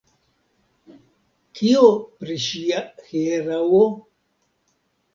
Kio pri ŝia hieraŭo?